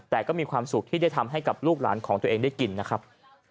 แต่ก็มีความสุขที่ได้ทำให้กับลูกหลานของตัวเองได้กินนะครับ